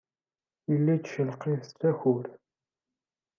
Yella yettcelqif-d takurt.